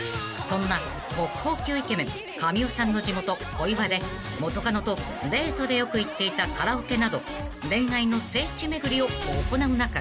［そんな国宝級イケメン神尾さんの地元小岩で元カノとデートでよく行っていたカラオケなど恋愛の聖地巡りを行う中］